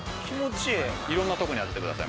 色んなとこに当ててください